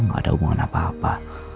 gak ada omongan apa apa